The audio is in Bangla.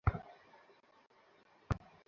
অন্ততপক্ষে তুমি তো, আমার সম্পর্কে চিন্তা করো।